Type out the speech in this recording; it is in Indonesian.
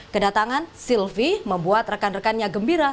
kedatangan sylvi membuat rekan rekannya gembira